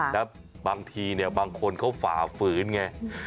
แล้วบางทีเนี่ยบางคนเขาฝ่าฝืนไง